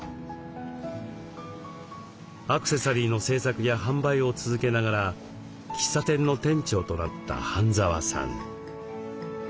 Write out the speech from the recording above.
アクセサリーの制作や販売を続けながら喫茶店の店長となった半澤さん。